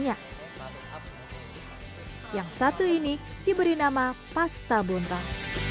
yang satu ini diberi nama pasta bontang